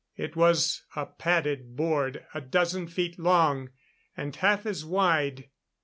It was a padded board a dozen feet long and half as wide.